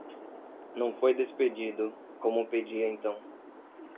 Não foi despedido, como pedia então;